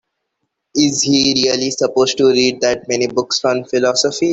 Is he really supposed to read that many books on philosophy?